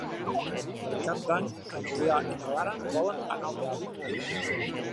Per Cap d'Any en Julià i na Lara volen anar al teatre.